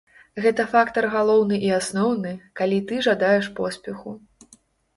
Гэта фактар галоўны і асноўны, калі ты жадаеш поспеху.